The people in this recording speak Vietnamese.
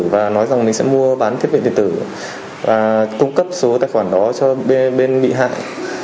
và nói rằng mình sẽ mua bán thiết bị điện tử và cung cấp số tài khoản đó cho bên bị hại